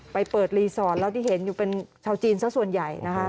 ไปเปิดรีสอร์ทแล้วที่เห็นอยู่เป็นชาวจีนซะส่วนใหญ่นะคะ